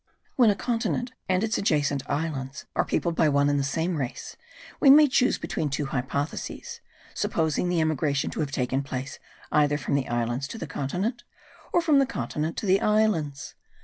When a continent and its adjacent islands are peopled by one and the same race, we may choose between two hypotheses; supposing the emigration to have taken place either from the islands to the continent, or from the continent to the islands.